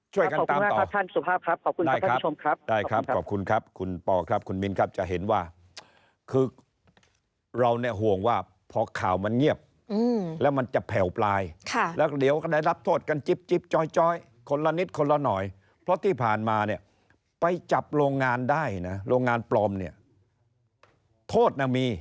ช่วยกันตามต่อท่านสุภาพครับขอบคุณครับคุณผู้ชมครับได้ครับขอบคุณครับคุณปอครับคุณมินครับจะเห็นว่าคือเราเนี่ยห่วงว่าพอข่าวมันเงียบแล้วมันจะแผ่วปลายแล้วเดี๋ยวก็ได้รับโทษกันจิ๊บจ้อยคนละนิดคนละหน่อยเพราะที่ผ่านมาเนี่ยไปจับโรงงานได้นะโรงงานปลอมเนี่ยโทษนะมี